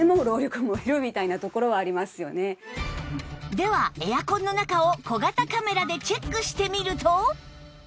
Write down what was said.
ではエアコンの中を小型カメラでチェックしてみると